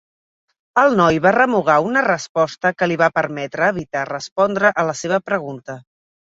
El noi va remugar una resposta que li va permetre evitar respondre a la seva pregunta.